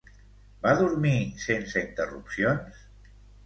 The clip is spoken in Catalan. Va dormir sense interrupcions?